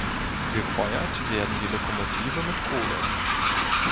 Gefeuert werden die Lokomotiven mit Kohle.